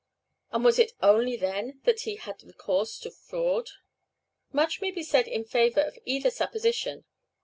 and was it only then that he had recourse to fraud? Much may be said in favor of either supposition.